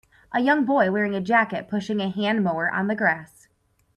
A young boy wearing a jacket pushing a hand mower on the grass.